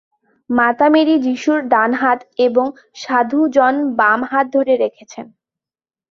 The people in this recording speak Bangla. মাতা মেরি যিশুর ডান হাত এবং সাধু জন বাম হাত ধরে রেখেছেন।